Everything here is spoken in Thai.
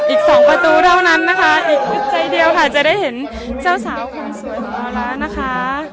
อีกสองประตูเท่านั้นนะคะอีกใจเดียวค่ะจะได้เห็นเจ้าสาวคนสวยของเราแล้วนะคะ